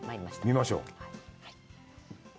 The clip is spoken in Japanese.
見ましょう。